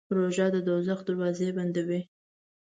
روژه د دوزخ دروازې بندوي.